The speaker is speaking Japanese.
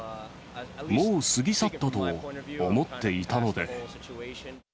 もう過ぎ去ったと思っていたので。